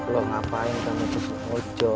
lo ngapain kamu pesen ojol